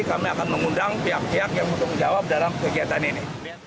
kami akan mengundang pihak pihak yang bertanggung jawab dalam kegiatan ini